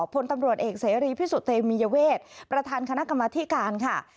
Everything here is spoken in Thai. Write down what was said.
พลตำรวจเอกเสรีพิสุทธิเตมียเวทประธานคณะกรรมธิการค่ะ